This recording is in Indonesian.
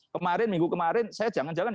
kemarin minggu kemarin saya jangan jalan jalan